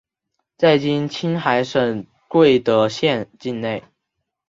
在今青海省贵德县境内。